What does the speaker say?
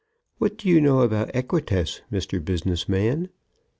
What do you know about equites, Mr. Businessman?